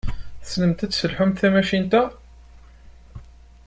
Tessnemt ad tesselḥumt tamacint-a?